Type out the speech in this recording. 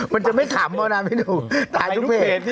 มันจะไม่ขำแล้วนะพี่หนุ่มถ่ายทุกเพจ